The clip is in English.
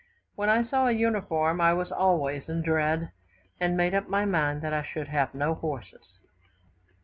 When I saw an uniform I was always in dread, and made up my mind that I should have no horses.